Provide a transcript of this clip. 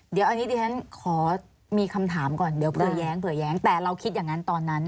เดี๋ยวอันนี้ดิฉันขอมีคำถามก่อนเดี๋ยวเผื่อแย้งเผื่อแย้งแต่เราคิดอย่างนั้นตอนนั้น